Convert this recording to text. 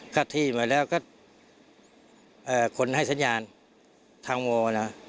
กลับที่ไว้แล้วก็คนให้สัญญาณทางวงนะ